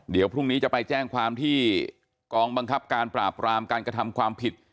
เดี๋ยวพรุ่งนี้จะไปแจ้งความที่กองบังคับการปราบรามการกระทำความผิด